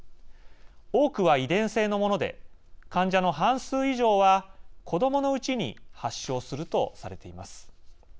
多くは遺伝性のもので患者の半数以上は子どものうちに発症するとされています。